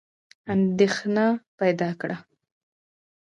اندېښنه پیدا کړه.